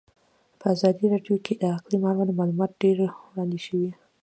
په ازادي راډیو کې د اقلیم اړوند معلومات ډېر وړاندې شوي.